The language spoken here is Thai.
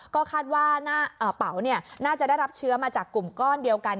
ก็คาดว่าเป๋าน่าจะได้รับเชื้อมาจากกลุ่มก้อนเดียวกัน